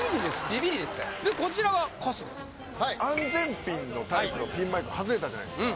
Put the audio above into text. ビビリですからでこちらは春日はい安全ピンのタイプのピンマイク外れたじゃないですか